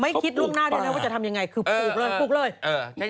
ไม่คิดล่วงหน้าเดียวนะว่าจะทำยังไงคือปลูกเลย